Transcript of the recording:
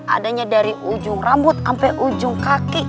adanya dari ujung rambut sampai ujung kaki